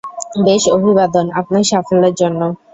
বেশ, অভিবাদন, আপনার সাফল্যের জন্য।